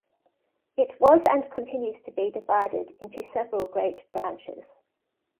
It was and continues to be divided into several great branches.